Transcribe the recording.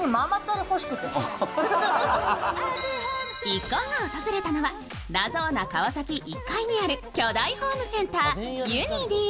一行が訪れたのはラゾーナ川崎１階にある巨大ホームセンター、ユニディ。